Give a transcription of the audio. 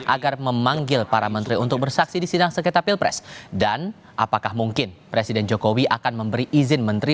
agar memanggil menteri sosial tri risma hari ini